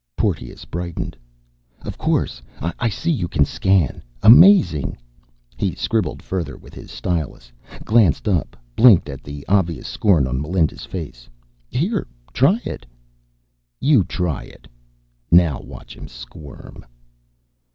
Porteous brightened. "Of course. I see you can scan. Amazing." He scribbled further with his stylus, glanced up, blinked at the obvious scorn on Melinda's face. "Here. Try it." "You try it." Now watch him squirm!